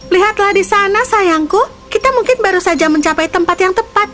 lihatlah di sana sayangku kita mungkin baru saja mencapai tempat yang tepat